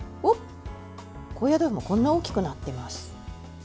高野豆腐もこんなに大きくなってます。